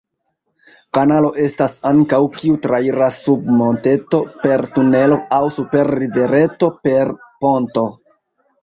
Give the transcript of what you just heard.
Kanalo estas ankaŭ, kiu trairas sub monteto per tunelo aŭ super rivereto per ponto.